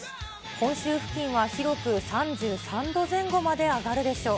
本州付近は広く３３度前後まで上がるでしょう。